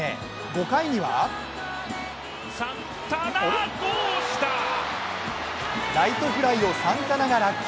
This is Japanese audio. ５回にはライトフライをサンタナが落球。